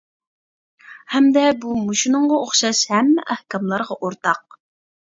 ھەمدە بۇ مۇشۇنىڭغا ئوخشاش ھەممە ئەھكاملارغا ئورتاق.